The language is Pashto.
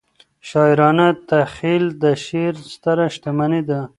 شاعرانه تخیل د شعر ستره شتمنۍ ده.